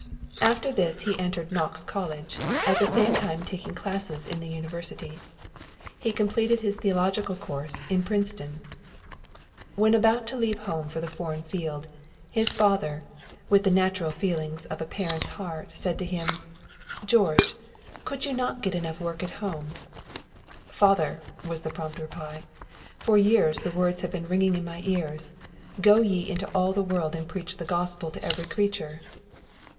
After this he entered Knox College, at the same time taking classes in the University. He completed his theological course in Princeton. When about to leave home for the foreign field, his father, with the natural feeling of a parent's heart, said to him, "George, could you not get work enough at home?" "Father," was the prompt reply, "for years the words have been ringing in my ears, 'Go ye into all the world and preach the gospel to every creature.'"